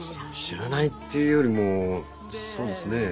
知らないっていうよりもそうですね。